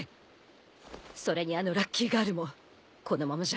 それにあのラッキーガールもこのままじゃ命の保証はない。